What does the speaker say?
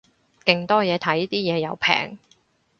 勁多嘢睇，啲嘢又平